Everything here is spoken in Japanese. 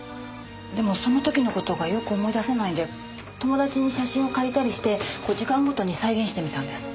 でもその時の事がよく思い出せないんで友達に写真を借りたりして時間ごとに再現してみたんです。